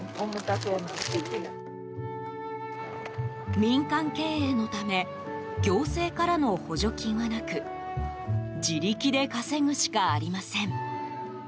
民間経営のため行政からの補助金はなく自力で稼ぐしかありません。